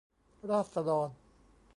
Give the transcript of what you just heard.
ราษฎร